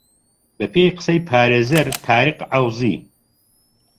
بە پێی قسەی پارێزەر تاریق عەوزی